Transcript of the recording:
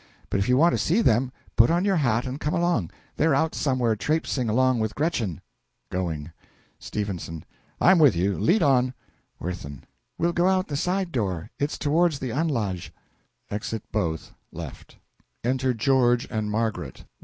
But if you want to see them, put on your hat and come along; they're out somewhere trapseing along with Gretchen. (Going.) S. I'm with you lead on. WIRTHIN. We'll go out the side door. It's towards the Anlage. (Exit both. L.) Enter GEORGE and MARGARET.